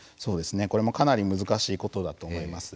これも、かなり難しいことだと思います。